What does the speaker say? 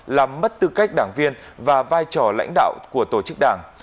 làm mất tư cách đảng viên và vai trò lãnh đạo của tổ chức đảng